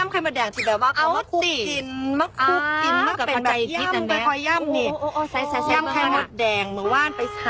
เมื่อกี้มันใหญ่ไปไม่ใช่ไข่มดแดงน่ะ